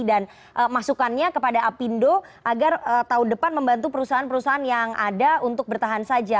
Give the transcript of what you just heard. dan masukannya kepada apindo agar tahun depan membantu perusahaan perusahaan yang ada untuk bertahan saja